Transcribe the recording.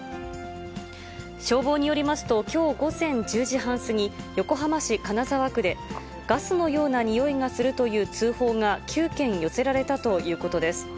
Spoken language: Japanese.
消防によりますと、きょう午前１０時半過ぎ、横浜市金沢区で、ガスのような臭いがするという通報が９件寄せられたということです。